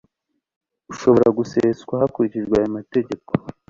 Ushobora guseswa hakurikijwe aya mategeko